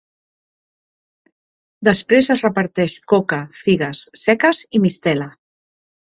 Després es reparteix coca, figues seques i mistela.